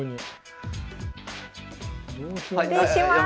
失礼します。